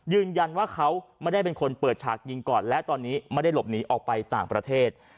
ยืนยันว่าเขาไม่ได้เป็นคนเปิดฉากยิงก่อนและตอนนี้ไม่ได้หลบหนีออกไปต่างประเทศ